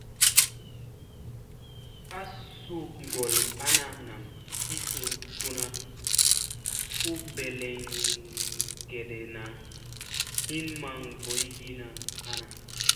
A su gol ana nam ti funa u peleŋgeɗena, hin maŋ boyogina ana.